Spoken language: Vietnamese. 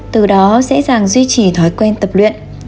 từ đó dễ dàng duy trì thói quen tập luyện